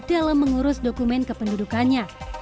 dalam mengurus dokumen kependudukannya